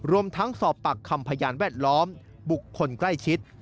รวมทั้งสอบปากคำพยานแวดล้อมบุคคลใกล้ชิด